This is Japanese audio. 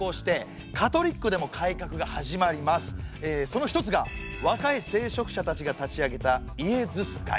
その一つが若い聖職者たちが立ち上げたイエズス会。